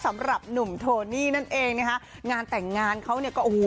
สำหรับหนุ่มโทนี่นั่นเองนะคะงานแต่งงานเขาเนี่ยก็โอ้โห